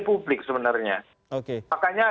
publik sebenarnya makanya